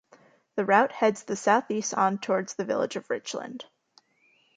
The route heads the southeast on towards the village of Richland.